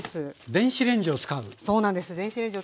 電子レンジを使います。